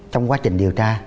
trong quá trình điều tra